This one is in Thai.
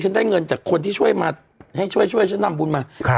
ได้เงินจากคนที่ช่วยมาให้ช่วยช่วยฉันนำบุญมา